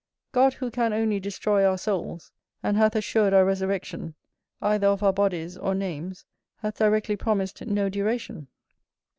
God who can only destroy our souls, and hath assured our resurrection, either of our bodies or names hath directly promised no duration.